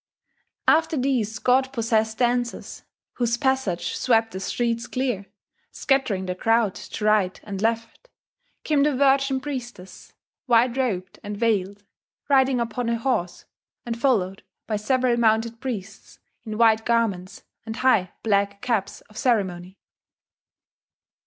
After these god possessed dancers whose passage swept the streets clear, scattering the crowd to right and left came the virgin priestess, white robed and veiled, riding upon a horse, and followed by several mounted priests in white garments and high black caps of ceremony.